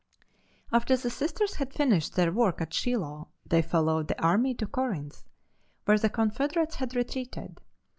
After the Sisters had finished their work at Shiloh they followed the army to Corinth, where the Confederates had retreated.